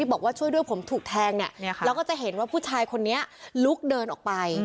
บอกว่าช่วยด้วยผมถูกแทงเนี่ยแล้วก็จะเห็นว่าผู้ชายคนนี้ลุกเดินออกไป